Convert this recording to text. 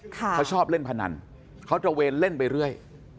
เขาชอบเล่นพนันเขาตระเวนเล่นไปเรื่อย